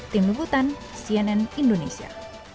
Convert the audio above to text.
tim leputan cnn indonesia